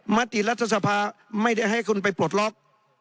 มติรัฐสภาไม่ได้ให้คนไปปลดล็อก